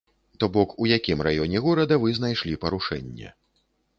То бок у якім раёне горада вы знайшлі парушэнне.